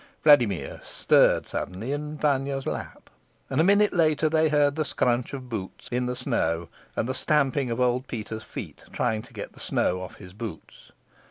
Vladimir stirred suddenly in Vanya's lap, and a minute later they heard the scrunch of boots in the snow, and the stamping of old Peter's feet trying to get the snow off his boots.